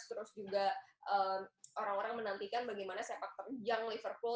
terus juga orang orang menantikan bagaimana sepak terjang liverpool